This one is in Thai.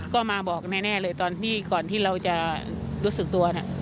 ก็มาบอกแน่เลยตอนที่ก่อนที่เราจะรู้สึกตัวนะ